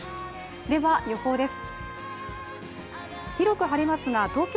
では、予報です。